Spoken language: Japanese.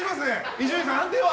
伊集院さん、判定は？